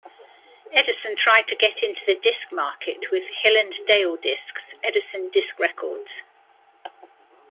Edison tried to get into the disc market with hill-and-dale discs, Edison Disc Records.